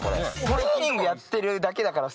トレーニングやってるだけだから。